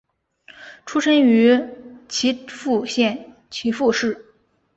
出身于岐阜县岐阜市。